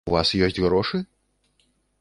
У вас ёсць грошы??